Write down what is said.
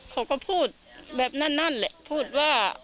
เขาก็พูดแบบนั้นนั่นแหละพูดว่า